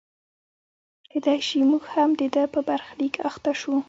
کېدای شي موږ هم د ده په برخلیک اخته شو.